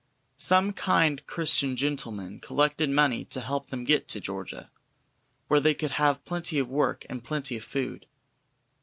Some kind Christian gentlemen collected money to help them to get to Georgia, where they could have plenty of work and plenty of food.